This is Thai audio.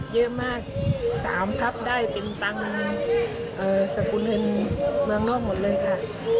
เยอะมาก๓ทับได้เป็นตังค์สกุลเงินเมืองนอกหมดเลยค่ะ